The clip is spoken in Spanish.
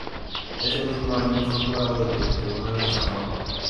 Ese mismo año fue Jurado del Tribunal de Zamora.